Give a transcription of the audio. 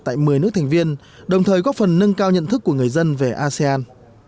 tại một mươi nước thành viên đồng thời góp phần nâng cao nhận thức của người dân về asean